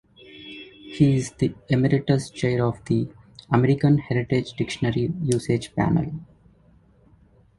He is the emeritus chair of the "American Heritage Dictionary" usage panel.